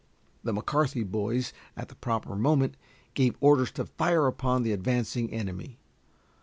The McCarthy boys, at the proper moment, gave orders to fire upon the advancing enemy.